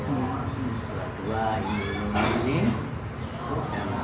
dua puluh dua ini dan akhir